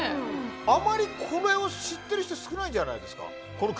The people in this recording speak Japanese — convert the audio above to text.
あまりこれを知ってる人少ないんじゃないですか。